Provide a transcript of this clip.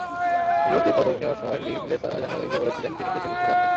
রিওতেই পদক নেওয়ার সময় লিলেসা সাংবাদিকদের বলেছিলেন, তিনি দেশে ফিরতে চান না।